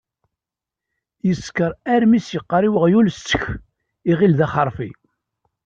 Yeskeṛ armi s-yeqqar i weɣyul “ssek”, iɣill d axerfi.